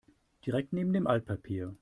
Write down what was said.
Direkt neben dem Altpapier.